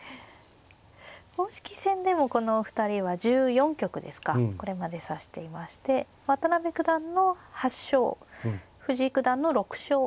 公式戦でもこのお二人は１４局ですかこれまで指していまして渡辺九段の８勝藤井九段の６勝。